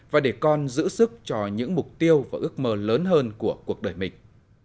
và để con giữ sức cho những mục tiêu và ước mơ lớn hơn của cuộc đời mình